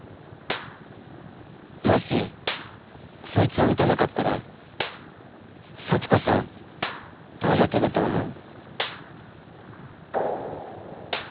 もしそいつを撃たなかったら幸子さんどうなってたと思う？